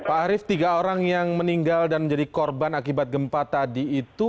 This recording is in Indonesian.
pak arief tiga orang yang meninggal dan menjadi korban akibat gempa tadi itu